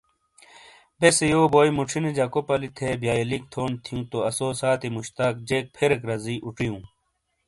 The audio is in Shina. بیسے یو بوئی موچھینے جکو پلی تھے بئیلیک تھون تھیوں تو آسو ساتی مشتاق جیک فریک رزی اوچیوں ۔